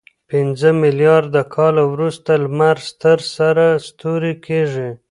پنځه میلیارد کاله وروسته لمر ستر سره ستوری کېږي.